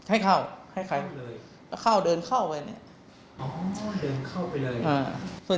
ให้เข้าให้เขาก็เข้าเดินเข้าไปเดินเข้าไปเลย